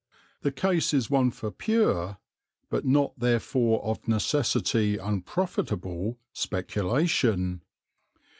The case is one for pure, but not therefore of necessity unprofitable, speculation.